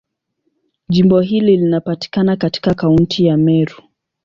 Jimbo hili linapatikana katika Kaunti ya Meru.